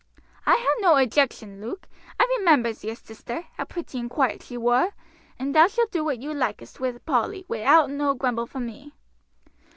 "I ha' no objection, Luke. I remembers your sister, how pretty and quiet she wor; and thou shalt do what you likest wi' Polly, wi'out no grumble from me."